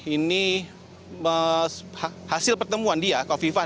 ini hasil pertemuan dia kofifa